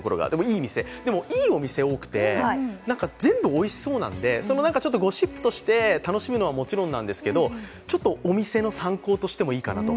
でも、いいお店多くて、全部おいしそうなのでそのゴシップとして楽しむのももちろんなんですけどお店の参考としてもいいかなと。